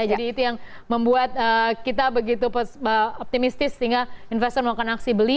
jadi itu yang membuat kita begitu optimistis sehingga investor mau akan aksi beli